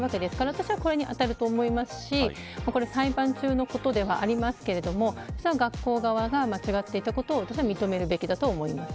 私は、これに当たると思いますし裁判中のことではありますが学校側が間違っていたことを認めるべきだと思います。